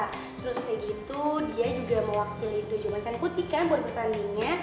terus kayak gitu dia juga mewakili dojoma can putih kan buat pertandingnya